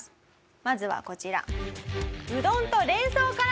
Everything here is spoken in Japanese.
まずはこちら。